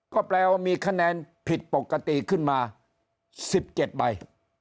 ก็แปลว่ามีคะแนนผิดปกติขึ้นมา๑๗ใบ